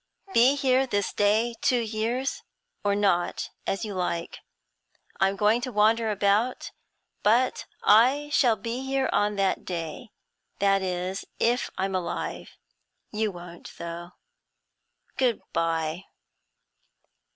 'Be here this day two years or not, as you like. I'm going to wander about, but I shall be here on that day that is, if I'm alive. You won't though. Good bye.'